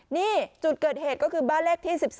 นี่จุดเกิดเหตุก็คือบ้านเลขที่๑๔